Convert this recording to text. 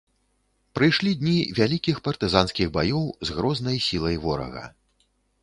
Прыйшлі дні вялікіх партызанскіх баёў з грознай сілай ворага.